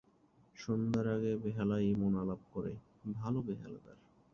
সন্ধ্যার আগে বেহালায় ইমন আলাপ করে, ভালো বেহালদার।